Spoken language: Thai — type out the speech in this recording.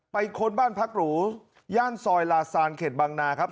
ค้นบ้านพักหรูย่านซอยลาซานเขตบางนาครับ